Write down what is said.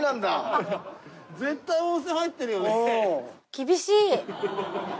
厳しい。